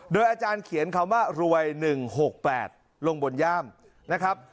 อาจารย์เขียนคำว่ารวย๑๖๘ลงบนย่ามนะครับ